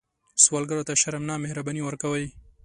سوالګر ته شرم نه، مهرباني ورکوئ